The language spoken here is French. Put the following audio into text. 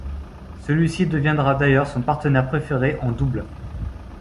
Celui-ci deviendra d'ailleurs son partenaire préféré en double.